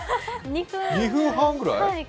２分半ぐらい？